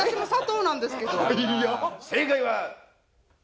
正解は。